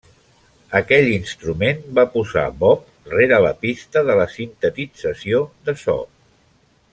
Aquell instrument va posar Bob rere la pista de la sintetització de so.